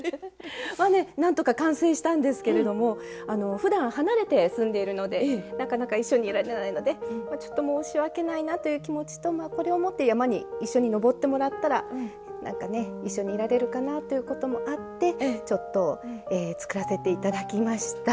まあね何とか完成したんですけれどもふだん離れて住んでいるのでなかなか一緒にいられないのでちょっと申し訳ないなという気持ちとこれを持って山に一緒に登ってもらったら何かね一緒にいられるかなということもあってちょっと作らせて頂きました。